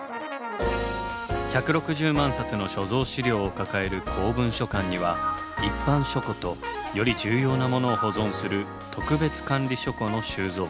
１６０万冊の所蔵資料を抱える公文書館には一般書庫とより重要なものを保存する特別管理書庫の収蔵庫が。